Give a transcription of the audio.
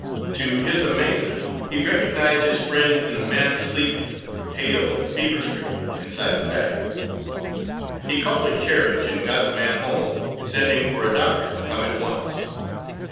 To his amazement, he recognized his friend in the man sleeping, pale and fever stricken, inside the bag. He called a carriage and got the man home, sending for a doctor to come at once.